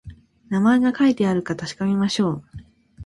名前が書いてあるか確かめましょう